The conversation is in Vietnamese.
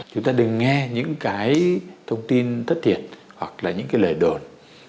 chúng ta đừng nghe những cái thông tin thất thiệt hoặc là những cái lời đồn